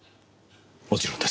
もちろんです。